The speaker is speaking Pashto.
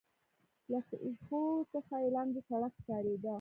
له ښيښو څخه يې لاندې سړک ښکارېده.